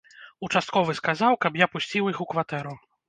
Участковы сказаў, каб я пусціў іх у кватэру.